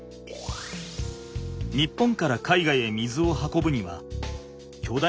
日本から海外へ水を運ぶにはきょだ